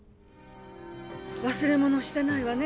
忘れ物をしてないわね？